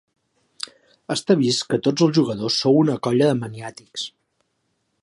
Està vist que tots els jugadors sou una colla de maniàtics.